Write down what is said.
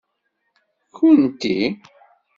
Kkunti.